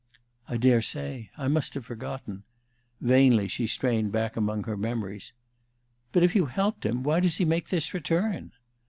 "I daresay. I must have forgotten." Vainly she strained back among her memories. "But if you helped him, why does he make this return?"